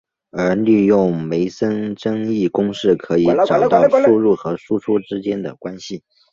而利用梅森增益公式可以找到输入和输出之间的关系。